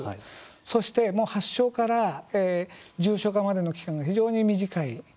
そして、発症から重症化までの期間が非常に短い。